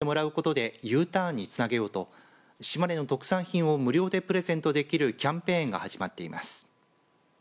就職や進学で地元を離れた友人に島根のよさを思い出してもらうことでＵターンにつなげようと島根の特産品を無料でプレゼントできるキャンペーンが始まっています。